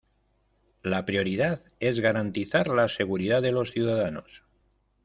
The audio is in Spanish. La prioridad es garantizar la seguridad de los ciudadanos.